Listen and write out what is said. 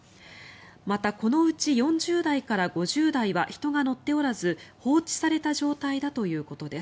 またこのうち４０台から５０台は人が乗っておらず放置された状態だということです。